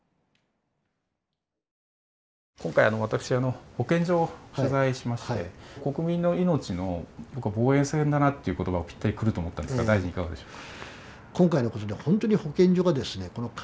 今回私保健所を取材しまして国民の命の防衛線だなっていう言葉がぴったりくると思ったんですが大臣いかがでしょうか。